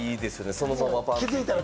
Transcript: そのままパンって。